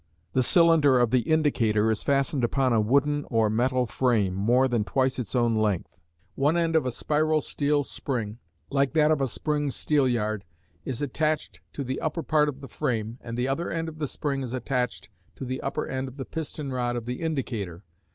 The cylinder of the indicator is fastened upon a wooden or metal frame, more than twice its own length; one end of a spiral steel spring, like that of a spring steel yard, is attached to the upper part of the frame, and the other end of the spring is attached to the upper end of the piston rod of the indicator.